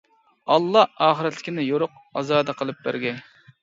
ئاللا ئاخىرەتلىكىنى يورۇق، ئازادە قىلىپ بەرگەي!